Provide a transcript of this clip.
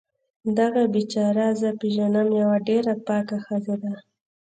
دغه بیچاره زه پیږنم یوه ډیره پاکه ښځه ده